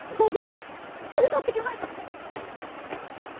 すぐ取ってきます！